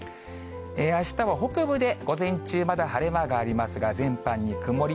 あしたは北部で午前中まだ晴れ間がありますが、全般に曇り。